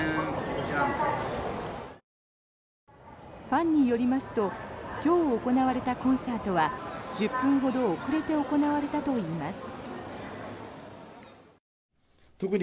ファンによりますと今日行われたコンサートは１０分ほど遅れて行われたといいます。